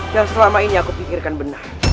yang selama ini aku pikirkan benar